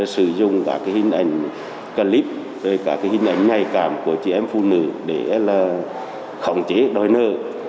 sử dụng cả hình ảnh clip cả hình ảnh nhạy cảm của chị em phụ nữ để khổng chế đòi nợ